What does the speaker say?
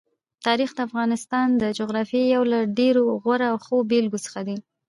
تاریخ د افغانستان د جغرافیې یو له ډېرو غوره او ښو بېلګو څخه دی.